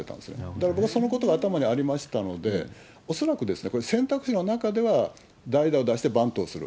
だから、僕、そのことが頭にありましたので、恐らくこれは選択肢の中では代打を出してバントをする。